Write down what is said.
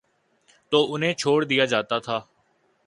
تو انہیں چھوڑ دیا جاتا تھا۔